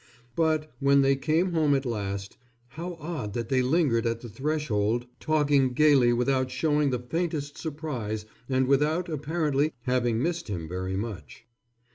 But, when they came home at last, how odd that they lingered at the threshold talking gaily without showing the faintest surprise and without, apparently, having missed him very much.